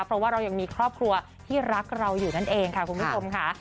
เพราะว่าเรายังมีครอบครัวที่รักเราอยู่นั่นเองค่ะคุณผู้ชมค่ะ